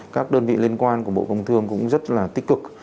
các đơn vị liên quan của bộ công thương cũng rất là tích cực